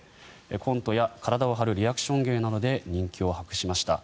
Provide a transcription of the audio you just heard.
コントや体を張るリアクション芸などで人気を博しました。